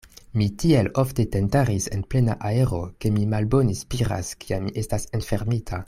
Mi tiel ofte tendaris en plena aero, ke mi malbone spiras, kiam mi estas enfermita.